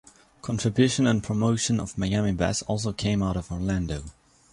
Contribution and promotion of Miami bass also came out of Orlando.